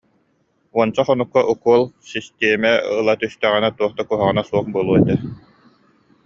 Уонча хонукка укуол, систиэмэ ыла түстэҕинэ туох да куһаҕана суох буолуо этэ